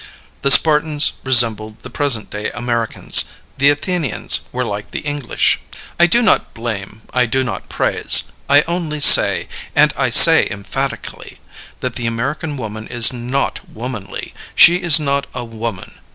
The Spartans resembled the present day Americans; the Athenians were like the English. I do not blame, I do not praise; I only say, and I say emphatically, that the American woman is not womanly; she is not a woman.